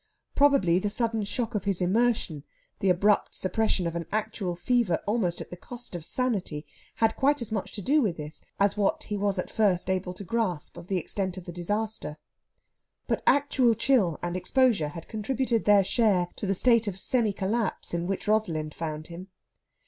Probably the sudden shock of his immersion, the abrupt suppression of an actual fever almost at the cost of sanity, had quite as much to do with this as what he was at first able to grasp of the extent of the disaster. But actual chill and exposure had contributed their share to the state of semi collapse in which Rosalind found him.